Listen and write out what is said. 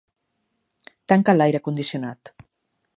Tanca l'aire condicionat.